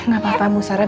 gak apa apa bu sarah